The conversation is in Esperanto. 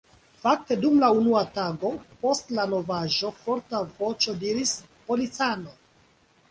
Fakte, dum la unua tago post la novaĵo forta voĉo diris: Policanoj!